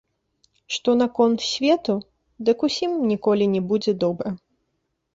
Што наконт свету, дык усім ніколі не будзе добра.